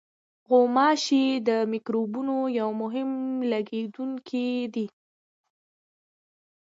غوماشې د میکروبونو یو مهم لېږدوونکی دي.